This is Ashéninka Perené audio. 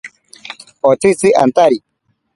Otsitzi antari.